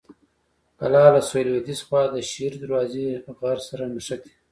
کلا له سویل لویديځې خوا د شیر دروازې غر سره نښتې.